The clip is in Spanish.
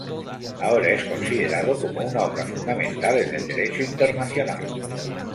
Ahora es considerado como una obra fundamental en el Derecho internacional.